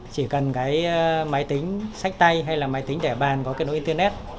chỉ cần cái máy tính sách tay hay là máy tính để bàn có cái nối internet